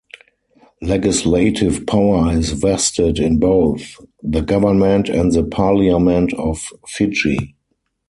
Legislative power is vested in both the government and the Parliament of Fiji.